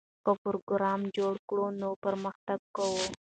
که پروګرام جوړ کړو نو پرمختګ کوو.